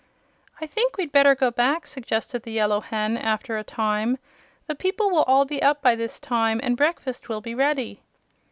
"I think we'd better go back," suggested the Yellow Hen, after a time. "The people will all be up by this time and breakfast will be ready."